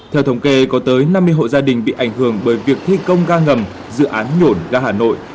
theo thống kê có tới năm mươi hộ gia đình bị ảnh hưởng bởi việc thi công ga ngầm dự án nhổn ga hà nội